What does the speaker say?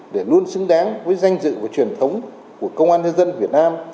để luôn xứng đáng với danh dự và truyền thống của công an nhân dân việt nam